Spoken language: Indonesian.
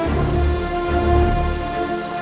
makasih komen sekarang